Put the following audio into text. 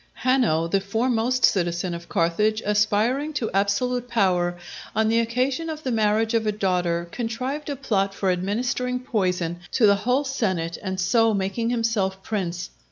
Hanno, the foremost citizen of Carthage, aspiring to absolute power, on the occasion of the marriage of a daughter contrived a plot for administering poison to the whole senate and so making himself prince.